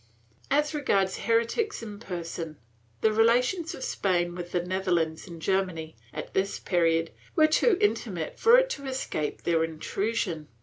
^ As regards heretics in person, the relations of Spain with the Netherlands and Germany, at this period, were too intimate for it to escape their intrusion.